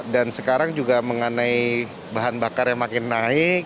dan sekarang juga mengenai bahan bakar yang makin naik